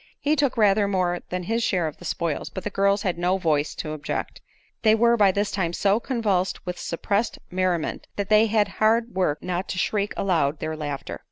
He took rather more than his share of the spoils, but the girls had no voice to object. They were by this time so convulsed with suppressed merriment that they had hard work not to shriek aloud their laughter.